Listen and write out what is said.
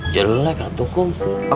jelek lah tuh kum